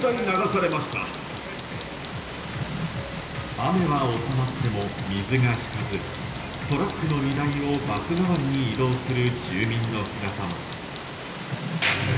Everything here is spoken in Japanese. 雨は収まっても水が引かずトラックの荷台をバス代わりに移動する住民の姿も。